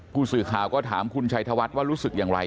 ผู้สื่อข่าวก็ถามคุณชัยธวัฒน์ว่ารู้สึกอย่างไร